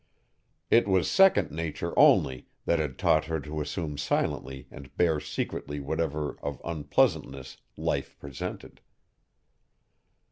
It was second nature only that had taught her to assume silently and bear secretly whatever of unpleasantness life presented.